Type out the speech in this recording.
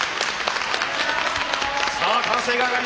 さあ歓声が上がります。